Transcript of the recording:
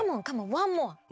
ワンモア！